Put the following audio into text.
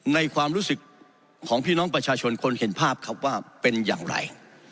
ความรู้สึกของพี่น้องประชาชนคนเห็นภาพครับว่าเป็นอย่างไร